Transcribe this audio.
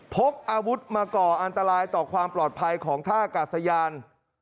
พกอาวุธมาก่ออันตรายต่อความปลอดภัยของท่ากาศยาน